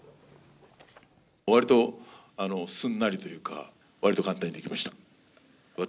わりとすんなりというか、わりと簡単にできました。